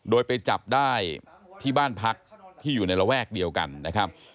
โดยไปจับได้ที่บ้านพักที่อยู่ในระแวกเดียวกันนะครับ